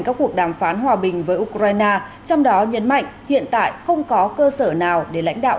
các cuộc đàm phán hòa bình với ukraine trong đó nhấn mạnh hiện tại không có cơ sở nào để lãnh đạo